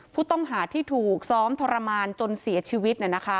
ผู้ต้องหาที่ถูกซ้อมทรมานจนเสียชีวิต